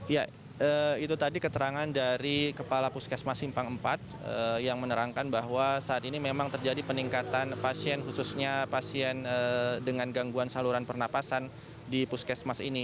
ya itu tadi keterangan dari kepala puskesmas simpang empat yang menerangkan bahwa saat ini memang terjadi peningkatan pasien khususnya pasien dengan gangguan saluran pernapasan di puskesmas ini